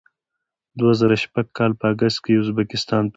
دوه زره شپږ کال په اګست کې یې ازبکستان پرېښود.